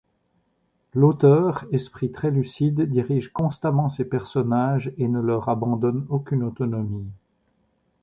L’auteur, esprit très lucide, dirige constamment ses personnages et ne leur abandonne aucune autonomie.